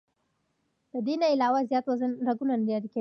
د دې نه علاوه زيات وزن رګونه نري کوي